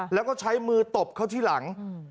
แล้วก็ใช้มือตบเขาที่หลัง